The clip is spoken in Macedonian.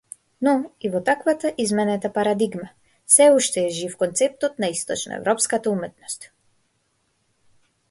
Но и во таквата изменета парадигма, сѐ уште е жив концептот на источноеврпската уметност.